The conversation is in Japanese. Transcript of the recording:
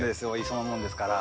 磯のもんですから。